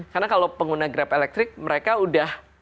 karena kalau pengguna grab elektrik mereka udah